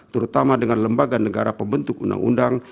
terutama dengan lembaga negara pembentuk undang undang